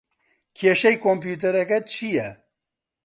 کێشەی کۆمپیوتەرەکەت چییە؟